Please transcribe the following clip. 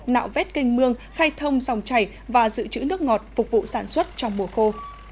nạo vét canh mương khai thông dòng chảy và giữ chữ nước ngọt phục vụ sản xuất trong mùa khô